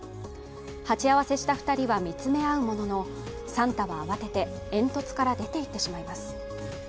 鉢合わせした２人は見つめ合うもののサンタは慌てて煙突から出ていってしまいます。